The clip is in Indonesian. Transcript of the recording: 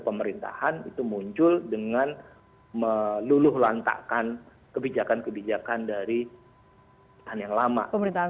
pemerintahan itu muncul dengan meluluh lantakan kebijakan kebijakan dari dan yang lama pemerintahan